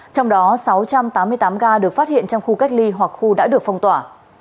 trong đó sáu trăm tám mươi tám ca được phát hiện trong khu cách ly hoặc khu đã được phong tỏa